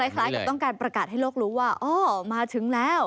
คล้ายกับต้องการประกาศให้โลกรู้ว่าอ้อมาถึงแล้ว